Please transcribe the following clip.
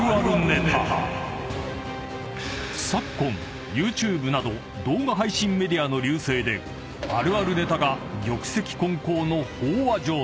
［昨今ＹｏｕＴｕｂｅなど動画配信メディアの隆盛であるあるネタが玉石混交の］